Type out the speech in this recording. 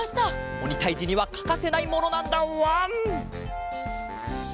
おにたいじにはかかせないものなんだわん！